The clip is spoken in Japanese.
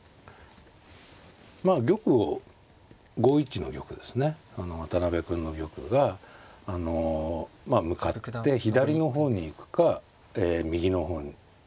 まあ玉を５一の玉ですね渡辺君の玉があのまあ向かって左の方に行くか右の方に行くか。